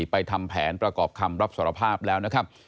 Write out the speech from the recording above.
ทำแผนประกอบคำรับสารภาพแล้วนะครับ